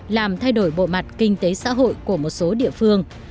làm thay đổi bộ mặt kinh tế xã hội của một số địa phương